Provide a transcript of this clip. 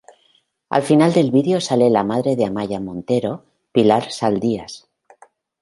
Al final del vídeo sale la madre de Amaia Montero, Pilar Saldías.